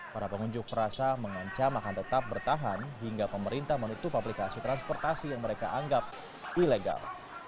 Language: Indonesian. para pengunjuk rasa mengancam akan tetap bertahan hingga pemerintah menutup aplikasi transportasi yang mereka anggap ilegal